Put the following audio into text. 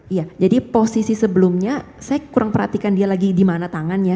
iya jadi posisi sebelumnya saya kurang perhatikan dia lagi di mana tangannya